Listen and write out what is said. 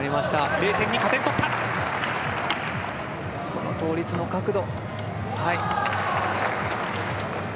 ０．２、倒立の角度。